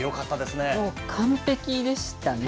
もう完璧でしたね。